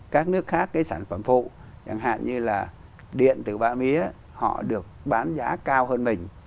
các nước khác cái sản phẩm phụ chẳng hạn như là điện từ ba mía họ được bán giá cao hơn mình